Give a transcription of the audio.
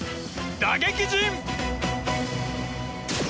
打撃陣！